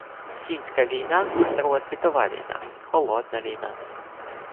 – Фінська війна, Друга світова війна, «холодна» війна